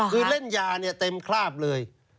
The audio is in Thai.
คือเล่นยาเนี่ยเต็มคราบเลย